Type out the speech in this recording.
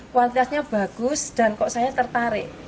kualitasnya bagus dan kok saya tertarik